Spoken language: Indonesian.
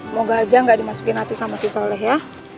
moga aja nggak dimasukin hati sama si soleh ya